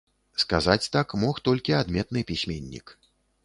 Сказаць так мог толькі адметны пісьменнік.